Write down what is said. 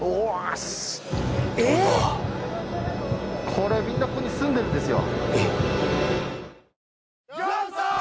これみんなここに住んでるんですよ